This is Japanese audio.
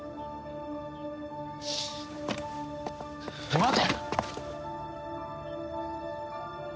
待て！